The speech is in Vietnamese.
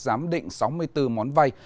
giám định sáu mươi bốn món vay